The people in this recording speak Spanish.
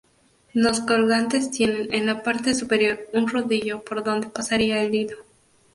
Los colgantes tienen en la parte superior un rodillo por donde pasaría el hilo.